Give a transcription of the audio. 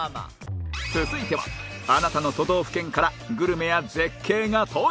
続いてはあなたの都道府県からグルメや絶景が登場！